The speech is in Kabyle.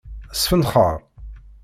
Sfenxeṛ.